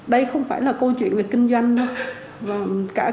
đây không phải là câu chuyện về kinh doanh